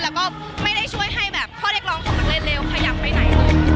แล้วก็ไม่ได้ช่วยให้แบบข้อเรียกร้องของนักเรียนเร็วขยับไปไหนเลย